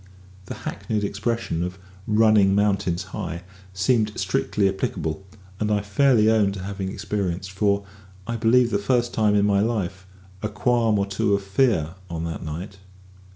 The hackneyed expression of "running mountains high" seemed strictly applicable; and I fairly own to having experienced, for, I believe, the first time in my life, a qualm or two of fear on that night.